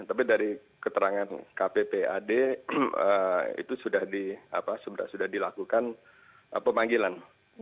tapi dari keterangan kppad itu sudah dilakukan pemanggilan